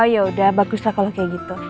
oh yaudah baguslah kalau kayak gitu